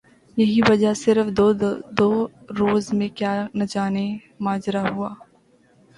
یہی وجہ صرف دو روز میں کیا نجانے ماجرہ ہوا